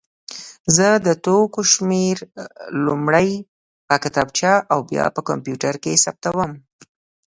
زه د توکو شمېر لومړی په کتابچه او بیا په کمپیوټر کې ثبتوم.